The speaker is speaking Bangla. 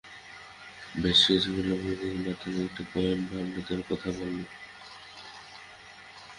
বেশ, কিন্তু ল্যাপ্রেকনগুলো মাত্রই একটা কয়েন ভান্ডারের কথা বলল।